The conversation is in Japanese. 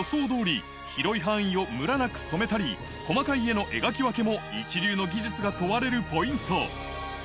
とおり、広い範囲をむらなく染めたり、細かい絵の描き分けも、一流の技術が問われるポイント。